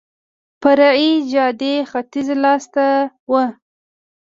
فرعي جادې ختیځ لاس ته وه.